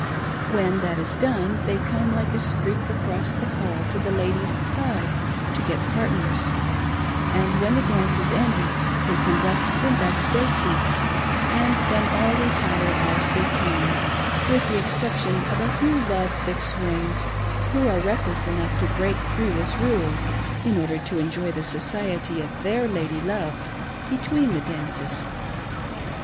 When that is done, they come like a streak across the hall to, the ladies' side, to get partners ; and when the dance is ended they conduct them back to their seats, and then all retire as they came, with the exception of a few love sick swains who are reckless enough to break through this rule, in order to, enjoy the society of their lady loves between the dances.